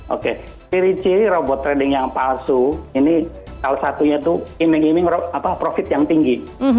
oke ciri ciri robot trading yang palsu ini salah satunya itu iming iming profit yang tinggi